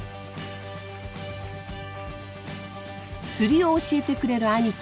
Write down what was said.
釣りを教えてくれる兄貴